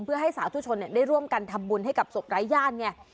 เพื่อให้สาวทุกชนเนี่ยได้ร่วมกันทำบุญให้กับศพหลายย่านเนี่ย